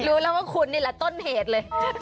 รู้แล้วว่าคุณนี่แหละต้นเหตุเลย